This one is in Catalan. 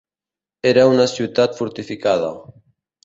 Era una ciutat fortificada.